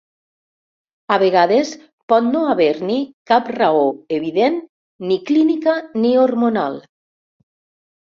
A vegades pot no haver-ni cap raó evident ni clínica ni hormonal.